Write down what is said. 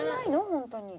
本当に。